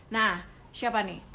nah siapa nih